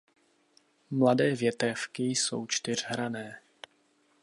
Mladé větévky jsou čtyřhranné.